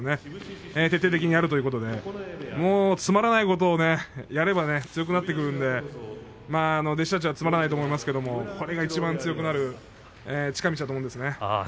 徹底的にやるということでつまらないことをやれば強くなっていきますので弟子たちはつまらないと思いますけどこれがいちばん強くなる近道だと思うんですね。